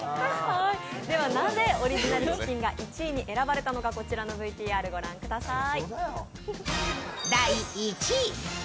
ではなぜ、オリジナルチキンが１位に選ばれたのか、こちらのＶＴＲをご覧ください。